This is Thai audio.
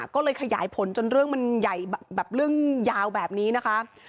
ก็เลยขยายผลจนเรื่องมันใหญ่แบบเรื่องยาวแบบนี้นะคะ